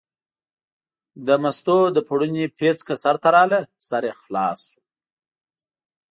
د مستو د پړوني پیڅکه سر ته راغله، سر یې خلاص شو.